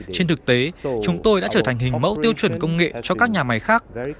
trên thực tế chúng tôi đã trở thành hình mẫu tiêu chuẩn công nghệ cho các nhà máy khác